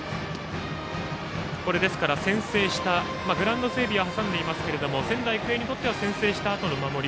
グラウンド整備は挟んでいますが仙台育英にとっては先制したあとの守り。